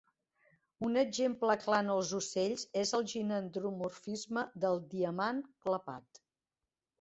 Un exemple clar en els ocells és el ginandromorfisme del diamant clapat.